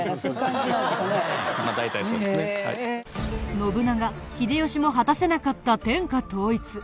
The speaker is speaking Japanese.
信長秀吉も果たせなかった天下統一。